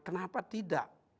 nah kenapa tidak